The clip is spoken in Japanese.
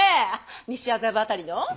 西麻布辺りの？